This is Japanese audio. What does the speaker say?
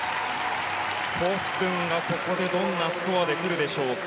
コフトゥンがここでどんなスコアで来るでしょうか。